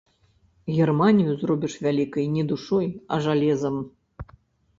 Германію зробіш вялікай не душой, а жалезам.